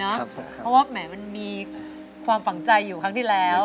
เพราะว่าแหมมันมีความฝังใจอยู่ครั้งที่แล้ว